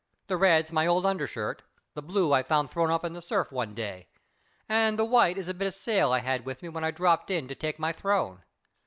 The red's my old undershirt, the blue I found thrown up in the surf one day and the white is a bit of sail I had with me when I dropped in to take my throne.